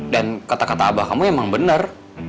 dan kata kata abah kamu emang benar